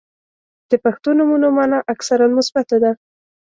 • د پښتو نومونو مانا اکثراً مثبته ده.